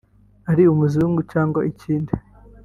ari umuzungu cyangwa ikindi